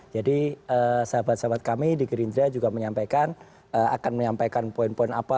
jadi sahabat sahabat kami di gerindra juga menyampaikan akan menyampaikan poin poin apa